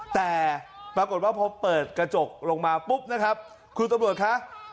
แต่ปรากฏว่าพอเปิดกระจกลงมาปุ๊บนะครับคุณตำรวจคะ